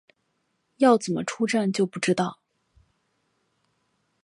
要怎么出站就不知道